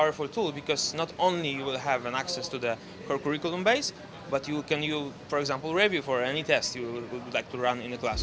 kamu akan mendapatkan akses ke kursus tapi kamu juga bisa menggunakan kursus untuk review untuk test yang ingin kamu lakukan di kelas